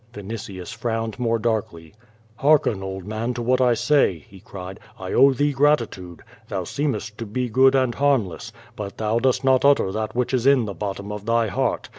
Vinitius frowned more darkly. "Hearken, old man, to what I say," he cried. "T owe thee gratitude. Thou scemest to be good and harmless. Hut thou dost not utter that which is in the bottom of thy heart.